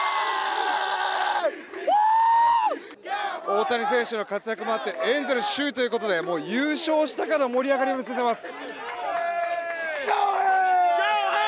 大谷選手の活躍もあってエンゼルス首位ということで優勝したかのような盛り上がりを見せています。